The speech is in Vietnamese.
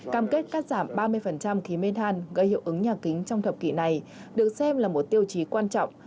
cam kết cắt giảm ba mươi khí men than gây hiệu ứng nhà kính trong thập kỷ này được xem là một tiêu chí quan trọng